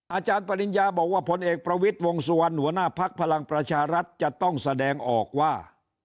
อาจารย์ปริญญาบอกว่าผลเอกประวิทย์วงสุวรรณหัวหน้าภักดิ์พลังประชารัฐจะต้องแสดงออกว่า